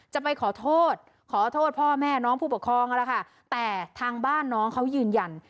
จะไปขอโทษขอโทษพ่อแม่น้องผู้ปกครองนั่นแหละค่ะแต่ทางบ้านน้องเขายืนยัน